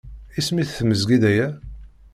Isem-is tmezgida-a.